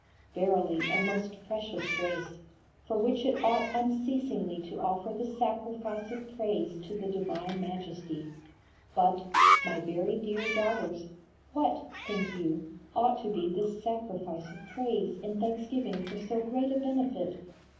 verily, a most precious grace, for which it ought unceasingly to offer the sacrifice of praise to the divine Majesty. But, my very dear daughters, what, think you, ought to be this sacrifice of praise in thanksgiving for so great a benefit?